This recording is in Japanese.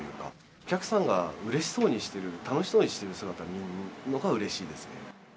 お客さんがうれしそうにしてる、楽しそうにしてる姿を見るのがうれしいですよね。